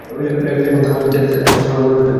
এখন তার অহংকার টেক্সাসের সমান বড় হয়ে গেছে!